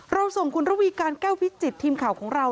ส่งคุณระวีการแก้ววิจิตทีมข่าวของเรา